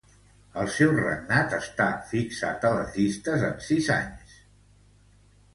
El seu regnat està fixat a les llistes en sis anys.